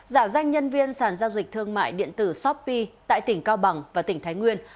giả danh nhân viên sản giao dịch thương mại điện tử shopee tại tỉnh cao bằng và tỉnh thái nguyên